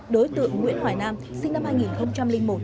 đối tượng nguyễn hoài nam sinh năm hai nghìn một